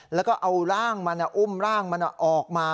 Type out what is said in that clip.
แล้วก็เอาร่างมันอุ้มร่างมันออกมา